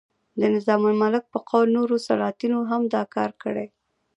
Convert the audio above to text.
د نظام الملک په قول نورو سلاطینو هم دا کار کړی.